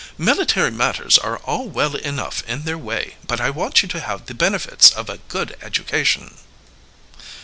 Military matters are all well enough in their way, but I want you to have the benefits of a good education."